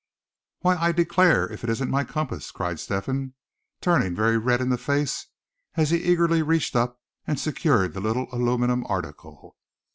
"Why, I declare, if it isn't my compass!" cried Step hen, turning very red in the face, as he eagerly reached up, and secured the little aluminum article.